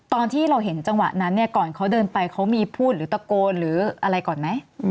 ตอนที่เราเห็นจังหวะนั้นเนี่ยก่อนเขาเดินไปเขามีพูดหรือตะโกนหรืออะไรก่อนไหม